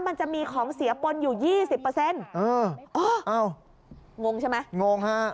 มันจะมีของเสียปนอยู่๒๐งงใช่ไหม